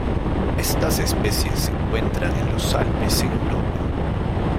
Estas especies se encuentran en los Alpes en Europa.